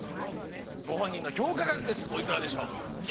ご本人の評価額ですおいくらでしょう？